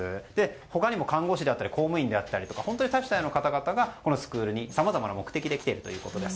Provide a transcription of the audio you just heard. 他にも看護師であったり公務員であったり多種多様の方々がこのスクールにさまざまな目的で来ているということです。